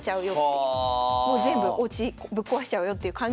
もう全部おうちぶっ壊しちゃうよっていう感じの手でした。